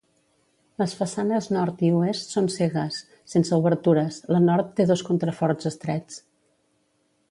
Les façanes nord i oest són cegues, sense obertures; la nord té dos contraforts estrets.